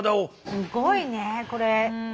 すごいねこれ。